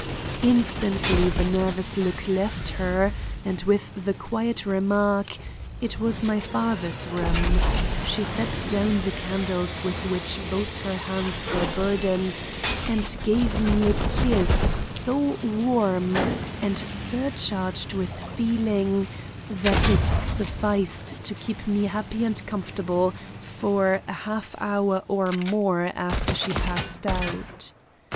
"Instantly the nervous look left her, and, with the quiet remark, 'It was my father's room,' she set down the candles with which both her hands were burdened, and gave me a kiss so warm and surcharged with feeling that it sufficed to keep me happy and comfortable for a half hour or more after she passed out.